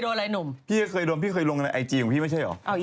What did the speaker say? เดี๋ยวนิดนึงก็ชื่อออกมาแล้ว